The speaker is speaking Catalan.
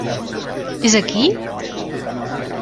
És aquí?